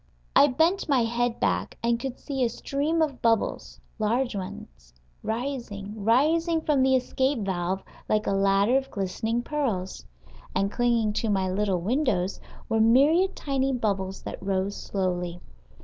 I bent my head back, and could see a stream of bubbles, large ones, rising, rising from the escape valve like a ladder of glistening pearls. And clinging to my little windows were myriad tiny bubbles that rose slowly.